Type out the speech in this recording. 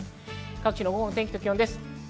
午後の天気と気温です。